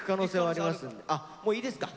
あもういいですか。